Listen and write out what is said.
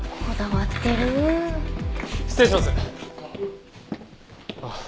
こだわってるう。